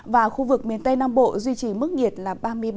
và khu vực miền tây nam bộ duy trì mức nhiệt là ba mươi ba